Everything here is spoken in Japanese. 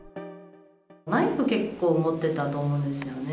ナイフ結構持ってたと思うんですよね。